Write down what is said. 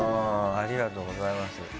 ありがとうございます。